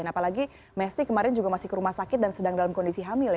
apalagi mesty kemarin juga masih ke rumah sakit dan sedang dalam kondisi hamil ya